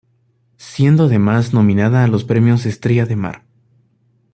Siendo además nominada a los premios Estrella de Mar.